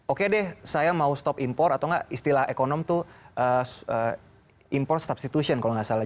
oke deh saya mau stop impor atau nggak istilah ekonomi tuh import substitution kalau nggak salah